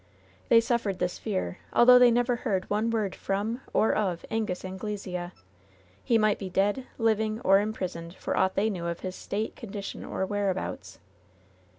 They suffered this fear, although they never heard one word from, or of, Angus Anglesea. He might be dead, living, or imprisoned, for aught they knew of his state, condition, or whereabouts.